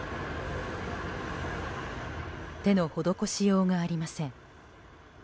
手の施しようがありません。